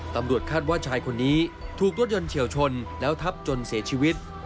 ตำรวจคาดว่าชายคนนี้ถูกรถยนต์เฉียวชนแล้วทับจนเสียชีวิต